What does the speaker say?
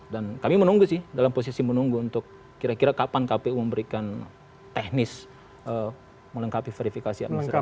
dan kami menunggu sih dalam posisi menunggu untuk kira kira kapan kpu memberikan teknis melengkapi verifikasi administrasi